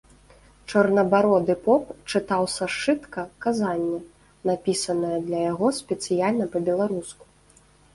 Чорнабароды поп чытаў са сшытка казанне, напісанае для яго спецыяльна па-беларуску.